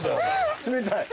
冷たい。